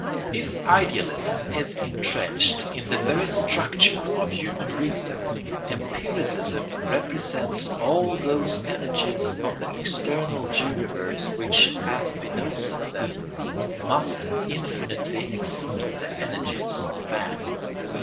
] If idealism is intrenched in the very structure of human reason, empiricism represents all those energies of the external universe which, as Spinoza says, must infinitely exceed the energies of man.